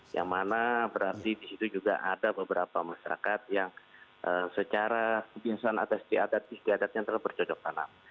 yang mana berarti di situ juga ada beberapa masyarakat yang secara kebiasaan atas diadat adatnya terlalu berjodoh tanam